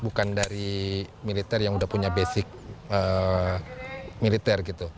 bukan dari militer yang udah punya basic militer gitu